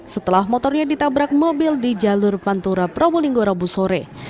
setelah motornya ditabrak mobil di jalur pantura probolinggo rabu sore